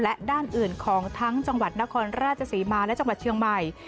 และด้านอื่นของทั้งจังหวัดนครราชศรีมาและจังหวัดเชียงใหม่